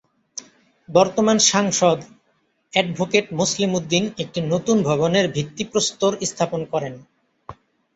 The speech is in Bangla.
বর্তমান সাংসদ অ্যাডভোকেট মোসলেম উদ্দিন একটি নতুন ভবনের ভিত্তি প্রস্তর স্থাপন করেন।